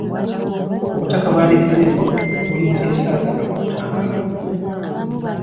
Obutaka bw'abeddira engo buli Buteesaasira mu Butambula.